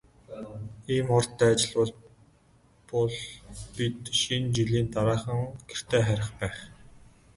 Ийм хурдтай ажиллавал бол бид Шинэ жилийн дараахан гэртээ харих байх.